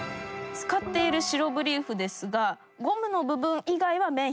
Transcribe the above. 使っている白ブリーフですがゴムの部分以外は綿１００％。